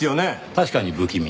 確かに不気味。